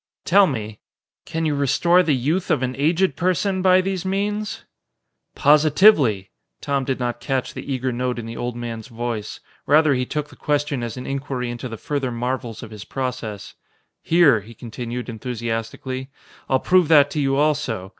Tell me can you restore the youth of an aged person by these means?" "Positively!" Tom did not catch the eager note in the old man's voice. Rather he took the question as an inquiry into the further marvels of his process. "Here," he continued, enthusiastically, "I'll prove that to you also.